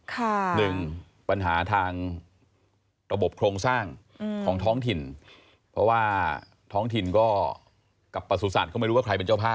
หนึ่งปัญหาทางระบบโครงสร้างของท้องถิ่นเพราะว่าท้องถิ่นก็กับประสุทธิ์ก็ไม่รู้ว่าใครเป็นเจ้าภาพ